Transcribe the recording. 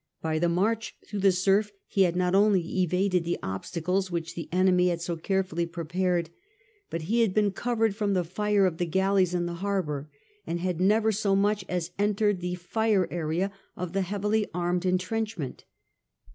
By the march through the surf he had not only evaded the obstacles which the enemy had so carefully prepared, but he had been covered from the fire of the galleys in the harbour, and had never so much as entered the fire area of the heavily armed intrenchment.